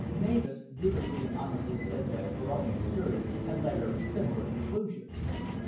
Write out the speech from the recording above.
Mavis dutifully and honestly said that her own experience had led her to similar conclusions.